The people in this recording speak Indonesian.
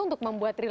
untuk membuat rileks